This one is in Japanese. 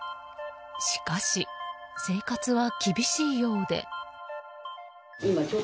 しかし、生活は厳しいようで。